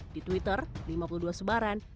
di twitter lima puluh dua sebaran